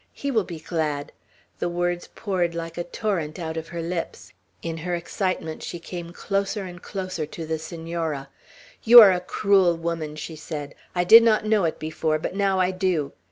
He will be glad!" The words poured like a torrent out of her lips. In her excitement she came closer and closer to the Senora. "You are a cruel woman," she said. "I did not know it before; but now I do.